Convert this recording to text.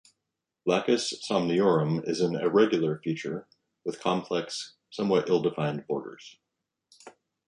Lacus Somniorum is an irregular feature with complex, somewhat ill-defined borders.